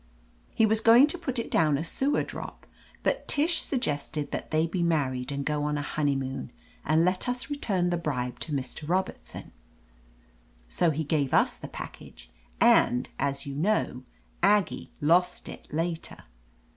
He was going to put it down a sewer drop, but Tish suggested that they be married and go on a honeymoon, and let us return the bribe to Mr. Robertson. So he gave us the package; and, as you know, Aggie lost it later.